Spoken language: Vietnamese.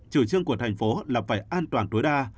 chủ trương của thành phố là phải an toàn tối đa